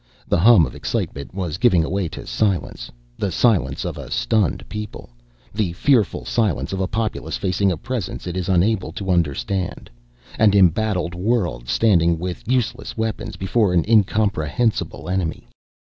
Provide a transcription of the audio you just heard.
The hum of excitement was giving away to a silence, the silence of a stunned people, the fearful silence of a populace facing a presence it is unable to understand, an embattled world standing with useless weapons before an incomprehensible enemy.